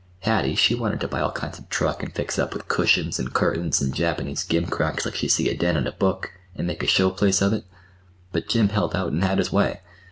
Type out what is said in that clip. Hattie, she wanted to buy all sorts of truck and fix it up with cushions and curtains and Japanese gimcracks like she see a den in a book, and make a showplace of it. But Jim held out and had his way.